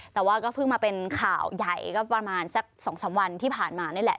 แต่ว่าก็เพิ่งมาเป็นข่าวใหญ่ก็ประมาณสัก๒๓วันที่ผ่านมานี่แหละ